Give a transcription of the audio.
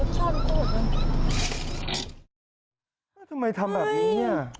ตายมาแล้วหยีบนะมาไงวะ